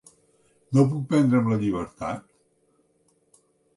No puc prendre'm la llibertat?